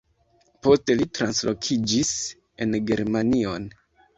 Poste li translokiĝis en Germanion.